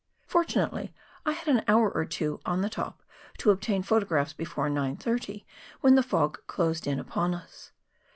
Fortunately I had an hour or two on the top to obtain photographs before 9.30, when the fog closed in upon us.